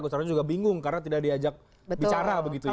saya juga bingung karena tidak diajak bicara begitu ya